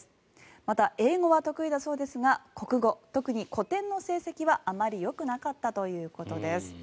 また、英語は得意だそうですが国語、特に古典の成績はあまりよくなかったということです。